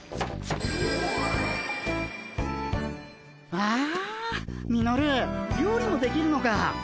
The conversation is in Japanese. わあミノル料理もできるのか。